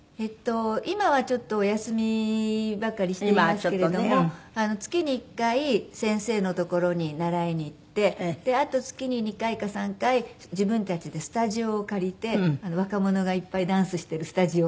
今はちょっとお休みばかりしていますけれども月に１回先生の所に習いに行ってあと月に２回か３回自分たちでスタジオを借りて若者がいっぱいダンスしてるスタジオなんですけど。